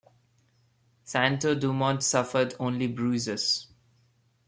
Santo-Dumont suffered only bruises.